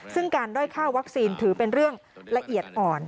ซึ่งการด้อยค่าวัคซีนถือเป็นเรื่องละเอียดอ่อน